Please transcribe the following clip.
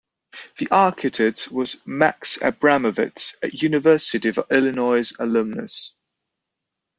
The architect was Max Abramovitz, a University of Illinois alumnus.